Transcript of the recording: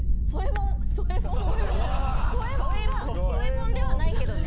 添えもんではないけどね。